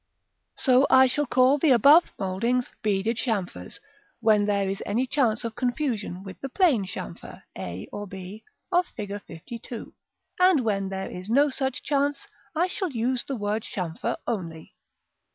So I shall call the above mouldings beaded chamfers, when there is any chance of confusion with the plain chamfer, a, or b, of Fig. LII.: and when there is no such chance, I shall use the word chamfer only.